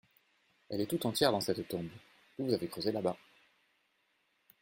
Elle est tout entière dans cette tombe, que vous avez creusée là-bas.